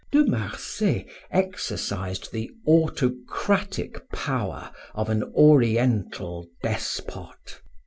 De Marsay exercised the autocratic power of an Oriental despot.